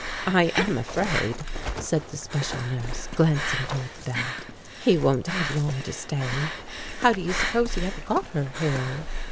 "I am afraid," said the special nurse, glancing toward the bed, "he won't have long to stay. How do you suppose he ever got her here?"